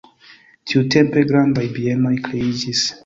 Tiutempe grandaj bienoj kreiĝis.